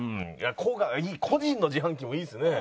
個が個人の自販機もいいですね。